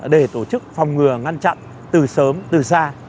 để tổ chức phòng ngừa ngăn chặn từ sớm từ xa